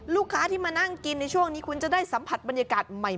ลูกค้าที่มานั่งกินในช่วงนี้คุณจะได้สัมผัสบรรยากาศใหม่